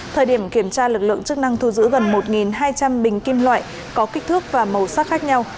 thời điểm kiểm tra lực lượng chức năng thu giữ gần một hai trăm linh bình kim loại có kích thước và màu sắc khác nhau